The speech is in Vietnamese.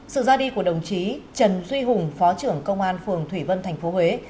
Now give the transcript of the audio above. sự ra đi của đồng chí trần duy hùng phó trưởng công an phường thủy vân tp huế